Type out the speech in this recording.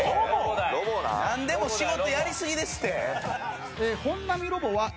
何でも仕事やりすぎですって。